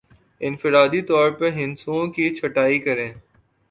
انفرادی طور پر ہندسوں کی چھٹائی کریں